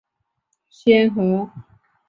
开创了中国网站出假日版的先河。